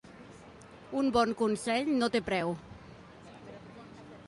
Un bon consell no té preu.